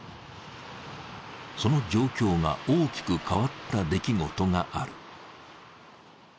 その状況が大きく変わった出来事がある。